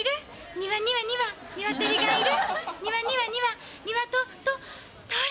庭には２羽ニワトリがいる。